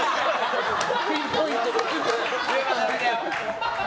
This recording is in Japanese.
ピンポイントで。